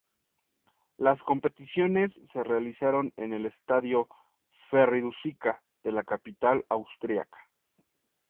Las competiciones se realizaron en el Estadio Ferry-Dusika de la capital austríaca.